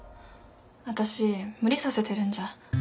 わたし無理させてるんじゃ。